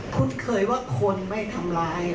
คุ้นเคยว่าคนไม่ทำร้าย